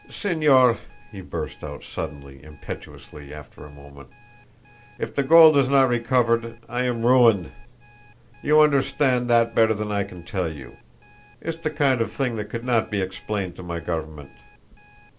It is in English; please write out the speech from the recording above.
"Señor," he burst out suddenly, impetuously, after a moment, "if the gold is not recovered I am ruined. You understand that better than I can tell you. It's the kind of thing that could not be explained to my government."